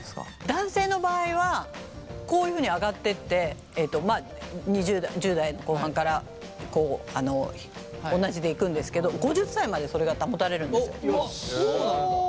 男性の場合はこういうふうに上がっていって１０代の後半から同じでいくんですけどそうなんだ。